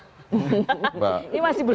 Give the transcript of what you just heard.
ini masih berumur orang rupanya